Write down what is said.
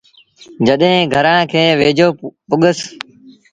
جڏهيݩ گھرآݩ کي ويجھو پُڳس۔